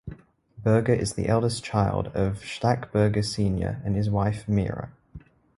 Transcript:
Burger is the eldest child of Schalk Burger Senior and his wife Myra.